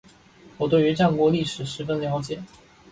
我对于战国历史十分了解